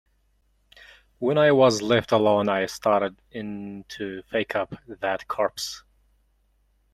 When I was left alone I started in to fake up that corpse.